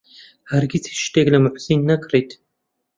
هەرگیز هیچ شتێک لە موحسین نەکڕیت.